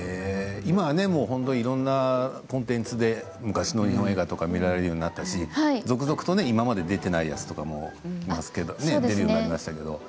今はいろいろなコンテンツで昔の日本映画とか見られるようになったし続々と今まで出てないものも出るようになりましたけれども。